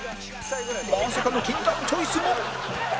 まさかの禁断チョイスも